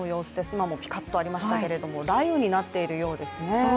今もピカッとありましたけれども雷雨になっているようですね。